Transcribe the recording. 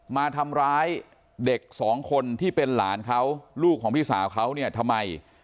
มาทำร้ายเด็กสองคนที่เป็นหลานเขาลูกของพี่สาวเขาเนี่ยทำไม